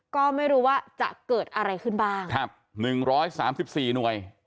ก็ไม่รู้ว่าจะเกิดอะไรขึ้นบ้างครับหนึ่งร้อยสามสิบสี่หน่วย